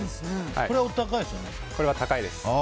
これはお高いですよね？